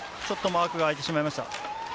ちょっとマークが空いてしまいました。